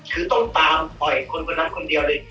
คือต้องตามปล่อยคนคนนั้นคนเดียวเลย